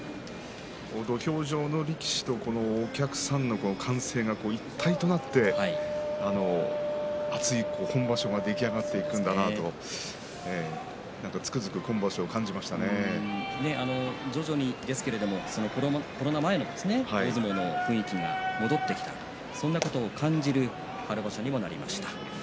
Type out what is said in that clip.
土俵上の力士とお客さんの歓声が一体となって熱い本場所が出来上がっていくんだなと徐々にですけれどもコロナ前の大相撲の雰囲気が戻ってきた、そんなことを感じる春場所にもなりました。